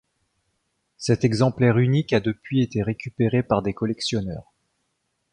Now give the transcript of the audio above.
Cet exemplaire unique a depuis été récupéré par des collectionneurs.